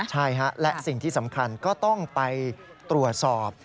ใช่ฮะและสิ่งที่สำคัญก็ต้องไปตรวจสอบ